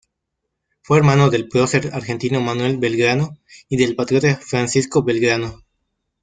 Fue hermano del prócer argentino Manuel Belgrano y del patriota Francisco Belgrano.